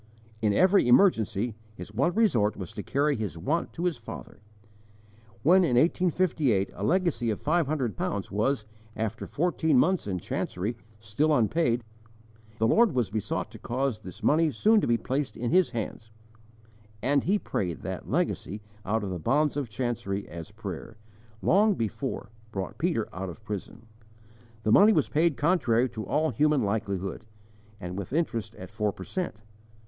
In every emergency, his one resort was to carry his want to his Father. When, in 1858, a legacy of five hundred pounds was, after fourteen months in chancery, still unpaid, the Lord was besought to cause this money soon to be placed in his hands; and he prayed that legacy out of the bonds of chancery as prayer, long before, brought Peter out of prison. The money was paid contrary to all human likelihood, and with interest at four per cent.